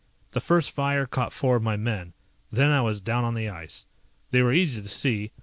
The first fire caught four of my men. Then I was down on the ice. They were easy to see.